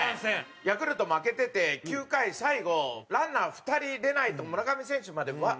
ヤクルト負けてて９回最後ランナー２人出ないと村上選手まで回ってこないんですよ。